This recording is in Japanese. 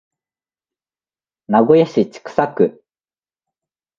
名古屋市千種区